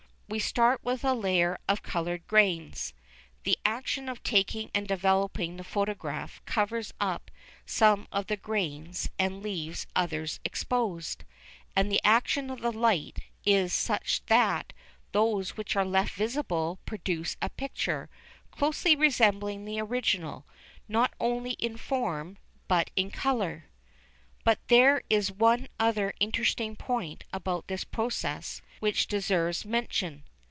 We start with a layer of coloured grains; the action of taking and developing the photograph covers up some of these grains and leaves others exposed, and the action of the light is such that those which are left visible produce a picture closely resembling the original, not only in form but in colour. But there is one other interesting point about this process which deserves mention.